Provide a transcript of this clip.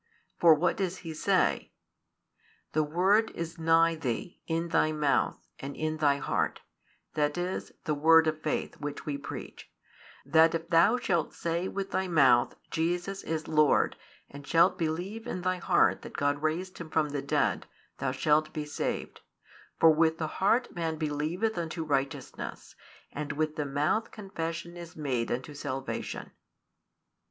For what does he say? The word is nigh thee, in thy mouth, and in thy heart: that is, the word of faith, which we preach: that if thou shalt say with thy mouth, Jesus is Lord, and shalt believe in thy heart that God raised Him from the dead, thou shalt be saved: for with the heart man believeth unto righteousness; and with the mouth confession is made unto salvation.